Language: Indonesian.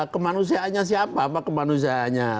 kemanusiaannya siapa apa kemanusiaannya